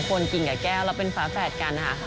คนกินกับแก้วแล้วเป็นฟ้าแฝดกันนะคะ